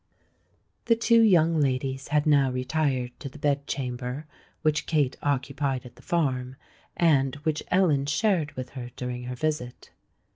The two young ladies had now retired to the bed chamber which Kate occupied at the farm, and which Ellen shared with her during her visit.